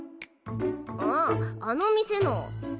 あああの店の。